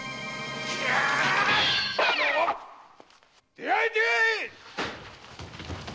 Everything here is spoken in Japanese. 出会え出会え！